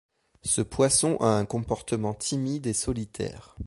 Ce poisson a un comportement timide et solitaire.